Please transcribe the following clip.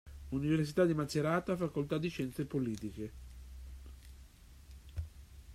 Università di Macerata Facoltà di Scienze Politiche.